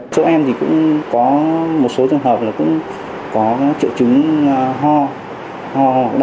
chúng em thì cũng có một số trường hợp là cũng có trợ chứng hò hò đo